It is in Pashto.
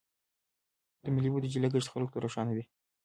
د ملي بودیجې لګښت خلکو ته روښانه وي.